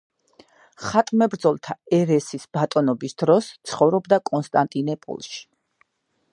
ხატმებრძოლთა ერესის ბატონობის დროს ცხოვრობდა კონსტანტინეპოლში.